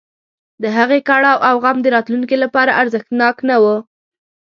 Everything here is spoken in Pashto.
د هغې کړاو او غم د راتلونکي لپاره ارزښتناک نه و.